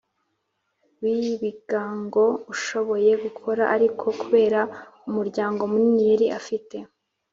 w'ibigango, ushoboye gukora ariko kubera umuryango munini yari afite,